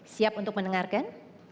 siap untuk mendengarkan